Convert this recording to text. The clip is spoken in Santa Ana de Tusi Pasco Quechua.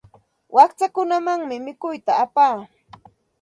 Wakchakunamanmi mikuyta apaa.